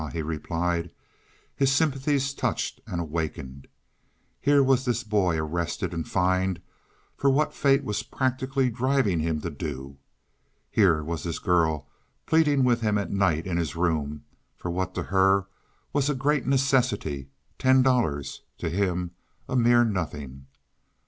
he replied, his sympathies touched and awakened. Here was this boy arrested and fined for what fate was practically driving him to do. Here was this girl pleading with him at night, in his room, for what to her was a great necessity—ten dollars; to him, a mere nothing.